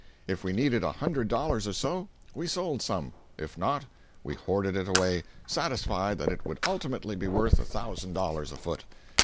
If we needed a hundred dollars or so, we sold some; if not, we hoarded it away, satisfied that it would ultimately be worth a thousand dollars a foot.